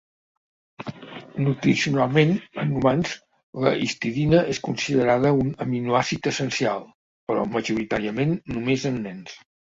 Nutricionalment, en humans, la histidina és considerada un aminoàcid essencial, però majoritàriament només en nens.